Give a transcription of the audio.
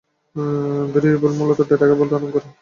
Variable মূলত ডেটাকে ধারন করে।